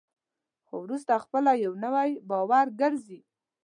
خو وروسته خپله یو نوی باور ګرځي.